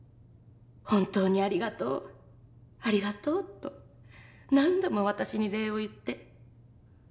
「本当にありがとうありがとう」と何度も私に礼を言って。